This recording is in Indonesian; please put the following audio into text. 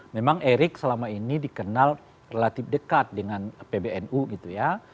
memang erik selama ini dikenal relatif dekat dengan pbnu gitu ya